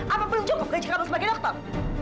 apa belum cukup gaji kamu sebagai dokter